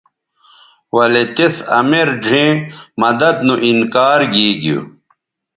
ولے تِس امیر ڙھیئں مدد نو انکار گیگیو